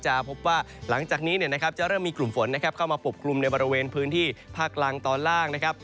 จะพบว่าหลังจากนี้นะครับจะเริ่มมีกลุ่มฝนเข้ามาปกกลุ่มในบริเวณพื้นที่ภาคกลางตอนล่างนะครับ